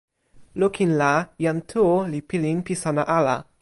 lukin la, jan Tu li pilin pi sona ala.